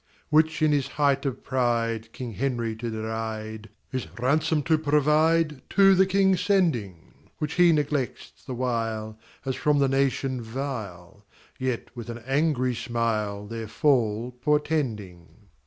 Which in his height of pride, King Henry to deride, His ransom to provide To the King sending; Which he neglects the while As from the nation vile, Yet with an angry smile Their fall portending.